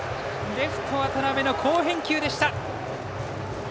レフト渡邊の好返球でした。